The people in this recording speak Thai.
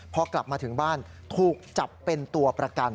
พอกลับมาถึงบ้านถูกจับเป็นตัวประกัน